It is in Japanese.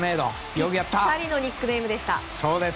ぴったりのニックネームでした。